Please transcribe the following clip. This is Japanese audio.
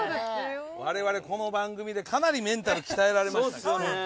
我々この番組でかなりメンタル鍛えられましたから。